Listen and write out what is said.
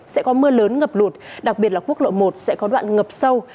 sẽ có mưa lớn ngập lụt đặc biệt là quốc lộ một sẽ có đoạn ngập sâu